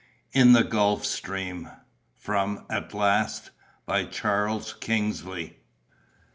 IN THE GULF STREAM (From At Last.) By CHARLES KINGSLEY.